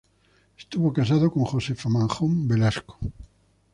Estuvo casado con Josefa Manjón Velasco.